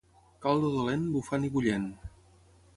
Caldo dolent, bufant i bullent.